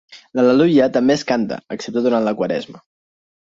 L'Al·leluia també es canta, excepte durant la quaresma.